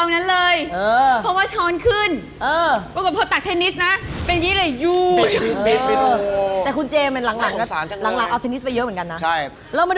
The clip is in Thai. และสุดท้ายหมายเลข๙ถาดผ้าครับ